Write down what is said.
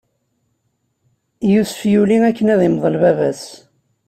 Yusef yuli akken ad imḍel baba-s.